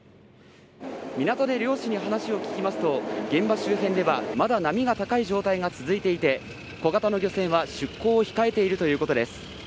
港で漁師に話を聞きますと現場周辺ではまだ波が高い状態が続いていて小型の漁船は出港を控えているということです。